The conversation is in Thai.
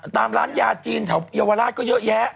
ตามร้านยาจีนแถวเยาวราชก็เยอะแยะ